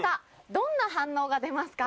どんな反応が出ますか？」。